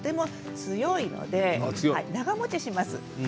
香りが強いので長もちします